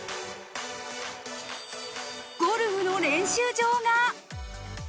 ゴルフの練習場が。